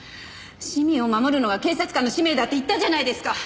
市民を守るのが警察官の使命だって言ったじゃないですか！